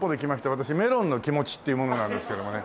私『メロンの気持』っていう者なんですけどもね。